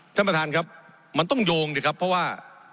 ท่านประธานครับมันต้องโยงดิครับเพราะว่า